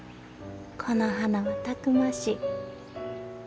この花はたくましい。